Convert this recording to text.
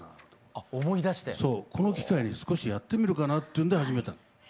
この機会に少しやってみるかなっていうんで始めたの。